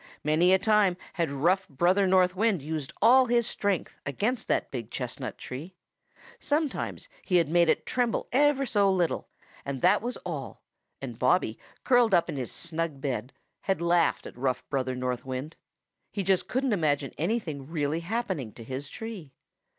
Many a time had rough Brother North Wind used all his strength against that big chestnut tree. Sometimes he had made it tremble ever so little, but that was all, and Bobby, curled up in his snug bed, had laughed at rough Brother North Wind. He just couldn't imagine anything really happening to his tree.